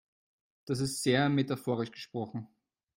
Das ist sehr metaphorisch gesprochen.